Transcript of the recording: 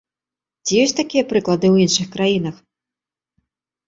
Ці ёсць такія прыклады ў іншых краінах?